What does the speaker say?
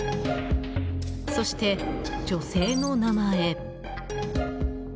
そして、女性の名前。